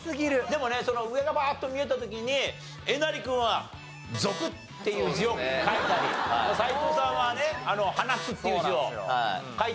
でもねその上がバーッと見えた時にえなり君は「族」っていう字を書いたり斎藤さんはね「放つ」っていう字を書いたりっていうね。